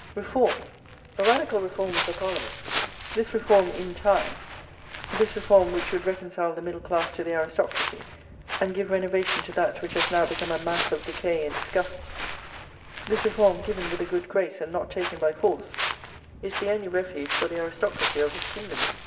Reform; a radical reform of the Parliament; this reform in time; this reform, which would reconcile the middle class to the aristocracy, and give renovation to that which has now become a mass of decay and disgust; this reform, given with a good grace, and not taken by force, is the only refuge for the aristocracy of this kingdom.